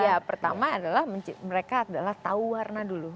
ya pertama adalah mereka adalah tahu warna dulu